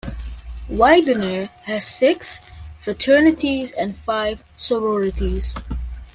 Widener has six fraternities and five sororities.